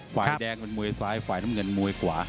ฝ่ายแดงเป็นมวยซ้ายฝ่ายน้ำเงินมวยขวา